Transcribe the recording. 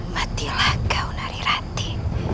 matilah kau nari rati